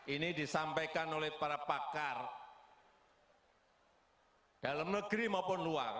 ini disampaikan oleh para pakar dalam negeri maupun luar